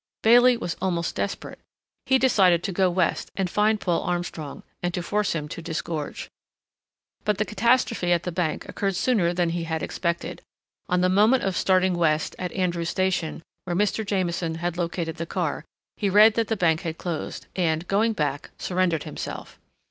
Bailey was almost desperate. He decided to go west and find Paul Armstrong, and to force him to disgorge. But the catastrophe at the bank occurred sooner than he had expected. On the moment of starting west, at Andrews Station, where Mr. Jamieson had located the car, he read that the bank had closed, and, going back, surrendered himself.